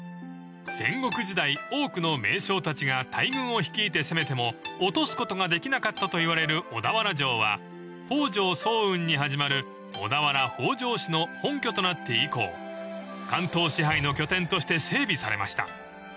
［戦国時代多くの名将たちが大群を率いて攻めても落とすことができなかったといわれる小田原城は北条早雲に始まる小田原北条氏の本拠となって以降関東支配の拠点として整備されました］